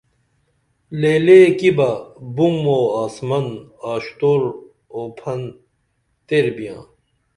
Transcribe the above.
لے لے کی بہ بُم او آسمن آشتور اُوپھن تیر بیاں